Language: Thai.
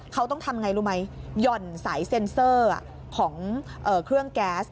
เขาต้องทำไงรู้ไหมหย่อนสายเซ็นเซอร์ของเครื่องแก๊ส